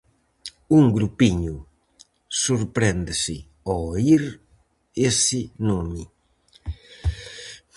Un grupiño sorpréndese ao oír ese nome.